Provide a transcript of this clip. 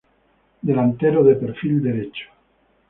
Delantero de perfil derecho.